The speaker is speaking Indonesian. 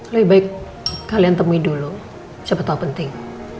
lebih baik kalian temui dulu siapa tahu penting